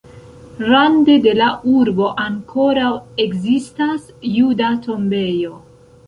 Rande de la urbo ankoraŭ ekzistas juda tombejo.